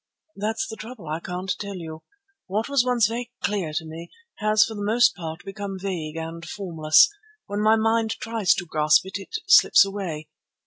"That's the trouble; I can't tell you. What was once very clear to me has for the most part become vague and formless. When my mind tries to grasp it, it slips away.